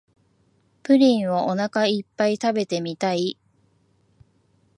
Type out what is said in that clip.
プリンをおなかいっぱい食べてみたい